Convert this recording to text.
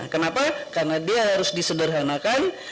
kenapa karena dia harus disederhanakan